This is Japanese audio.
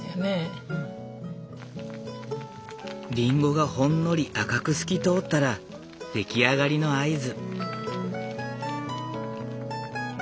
リンゴがほんのり赤く透き通ったら出来上がりの合図。